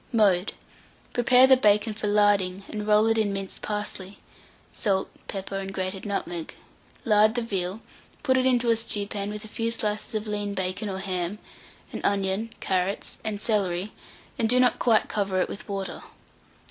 Mode. Prepare the bacon for larding, and roll it in minced parsley, salt, pepper, and grated nutmeg; lard the veal, put it into a stewpan with a few slices of lean bacon or ham, an onion, carrots, and celery; and do not quite cover it with water.